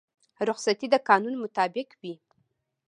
رخصتي د قانون مطابق وي